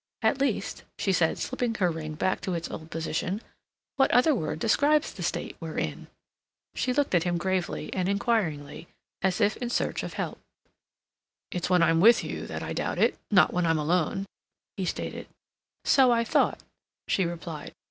"At least," she said slipping her ring back to its old position, "what other word describes the state we're in?" She looked at him gravely and inquiringly, as if in search of help. "It's when I'm with you that I doubt it, not when I'm alone," he stated. "So I thought," she replied.